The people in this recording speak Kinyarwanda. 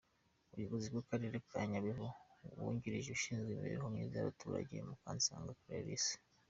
Umuyobozi w’akarere ka Nyabihu wungirije ushinzwe imibereho myiza y’abaturage, Mukansanga Clarisse.